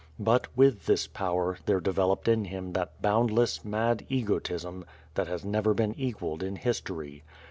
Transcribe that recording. But, with this power, there de veloped in him that boundless, mad egotism that has never been equalled in history.